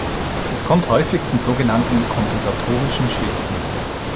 Es kommt häufig zum so genannten "kompensatorischen Schwitzen".